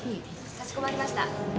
かしこまりました。